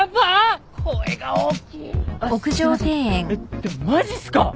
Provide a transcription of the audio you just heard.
でもマジっすか！？